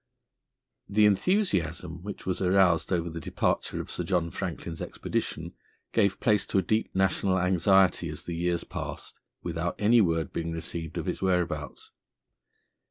The enthusiasm which was aroused over the departure of Sir John Franklin's expedition gave place to a deep national anxiety as the years passed without any word being received of its whereabouts.